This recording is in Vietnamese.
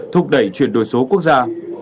thúc đẩy chuyển đổi số quốc gia